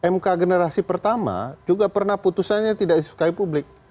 mk generasi pertama juga pernah putusannya tidak disukai publik